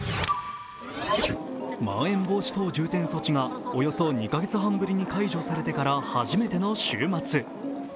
まん延防止等重点措置がおよそ２カ月半ぶりに解除されてから初めての週末。